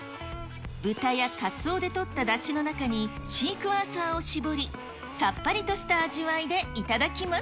豚やカツオでとっただしの中に、シークワーサーを搾り、さっぱりとした味わいで頂きます。